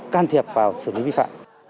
can thiệp vào sử lý vi phạm